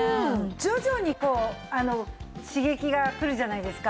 徐々にこう刺激がくるじゃないですか。